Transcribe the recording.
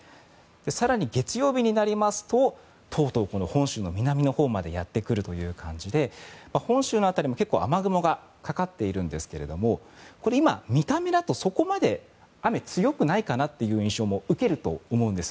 更に月曜日になりますととうとう本州の南のほうまでやってくるという感じで本州の辺りも結構雨雲がかかっているんですが今、見た目だとそこまで雨が強くないかなという印象も受けると思うんです。